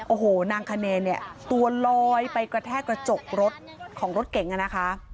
โอ้โหนางคเนเนี่ยตัวลอยไปกระแทกกระจกรถของรถเก๋งอะนะคะ